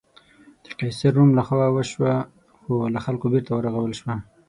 د قیصر روم له خوا وسوه، خو له خلکو بېرته ورغول شوه.